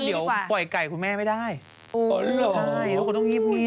เป็นรางเหรอ